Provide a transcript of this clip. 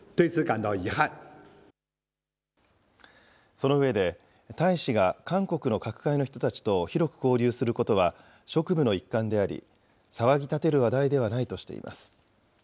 その上で、大使が韓国の各界の人たちと広く交流することは職務の一環であり、騒ぎ立てる話題ではないとしています。